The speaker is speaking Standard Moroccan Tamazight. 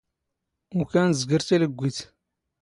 ⵓⴽⴰⵏ ⵣⴳⵔ ⵜⵉⵍⴳⴳⵯⵉⵜ.